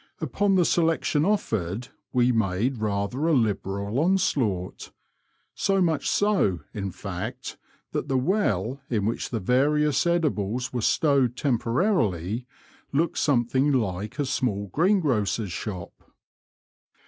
Upon the selection offered we made rather a liberal onslaught ; so much so, in fact, that tJie well, in which the various edibles were stowed temporarily, looked something like a small greengrocer's shop.